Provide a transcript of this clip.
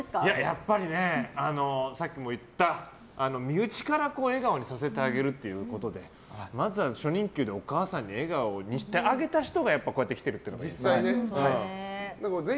やっぱりね、さっきも言った身内から笑顔にさせてあげるということでまずは初任給でお母さんを笑顔にしてあげた人がやっぱりこうして来てるっていうね。